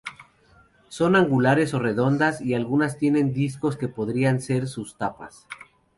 Son angulares o redondeadas y algunas tienen discos que podrían ser sus tapas.